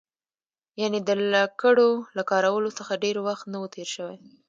یعنې د لکړو له کارولو څخه ډېر وخت نه و تېر شوی.